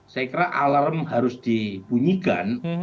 saya kira alarm harus dibunyikan